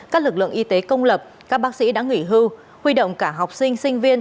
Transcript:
các lực lượng y tế công lập các bác sĩ đã nghỉ hưu huy động cả học sinh sinh viên